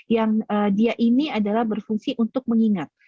yang dia ini adalah berfungsi untuk mengingat